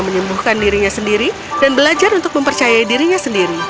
dia akan selamatkan dirinya sendiri dan belajar untuk mempercayai dirinya sendiri